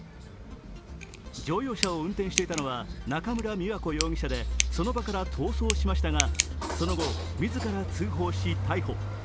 乗用車を運転していたのは中村美和子容疑者でその場から逃走しましたが、その後自ら通報し、逮捕。